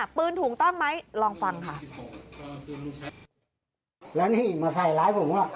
มีปืนถูกต้องไหมลองฟังค่ะ